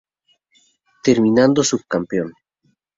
Terminando subcampeón.